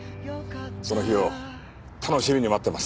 その日を楽しみに待ってます。